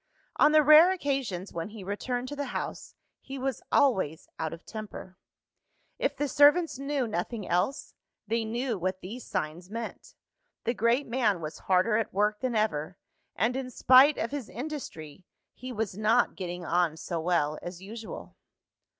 On the rare occasions when he returned to the house, he was always out of temper. If the servants knew nothing else, they knew what these signs meant the great man was harder at work than ever; and in spite of his industry, he was not getting on so well as usual.